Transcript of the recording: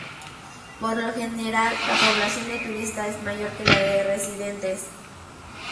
Por lo general, la población de turista es mayor que la de residentes.